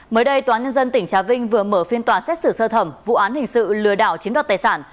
mới đây tòa nhân dân tỉnh trà vinh vừa mở phiên tòa xét xử sơ thẩm vụ án hình sự lừa đảo chiếm đoạt tài sản